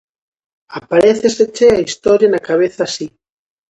Aparéceseche a historia na cabeza así.